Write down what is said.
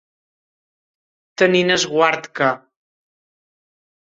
Tenint esguard que.